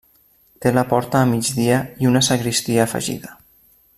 Té la porta a migdia i una sagristia afegida.